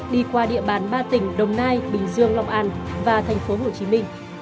đi qua địa bán ba tỉnh đồng nai bình dương lòng an và tp hcm